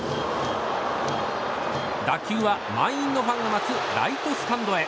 打球は満員のファンが待つライトスタンドへ。